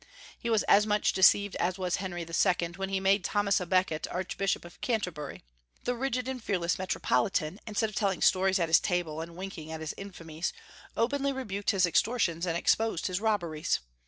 He was as much deceived as was Henry II. when he made Thomas à Becket archbishop of Canterbury. The rigid and fearless metropolitan, instead of telling stories at his table and winking at his infamies, openly rebuked his extortions and exposed his robberies.